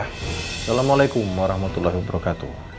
assalamualaikum warahmatullahi wabarakatuh